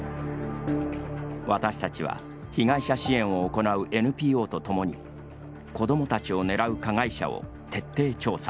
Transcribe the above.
私たちは被害者支援を行うＮＰＯと共に子どもたちをねらう加害者を徹底調査。